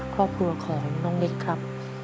ครอบครัวของน้องนิกครับ